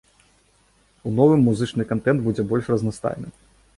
У новым музычны кантэнт будзе больш разнастайным.